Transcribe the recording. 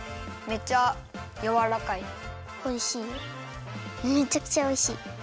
めちゃくちゃおいしい。